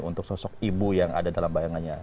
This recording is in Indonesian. untuk sosok ibu yang ada dalam bayangannya